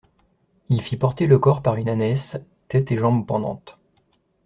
Il fit porter le corps par une ânesse, tête et jambes pendantes.